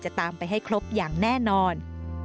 ตามไปให้ครบอย่างแน่นอน